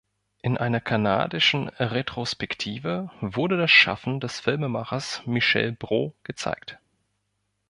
In einer kanadischen Retrospektive wurde das Schaffen des Filmemachers Michel Brault gezeigt.